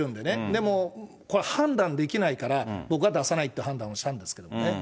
でも、これ、判断できないから、僕は出さないという判断をしたんですけれどもね。